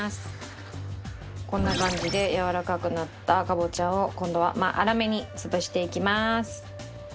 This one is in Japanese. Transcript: こんな感じでやわらかくなったかぼちゃを今度は粗めに潰していきます。